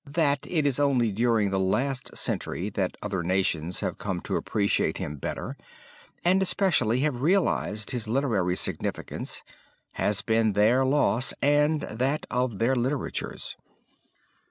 That it is only during the last century that other nations have come to appreciate him better, and especially have realized his literary significance, has been their loss and that of their literatures.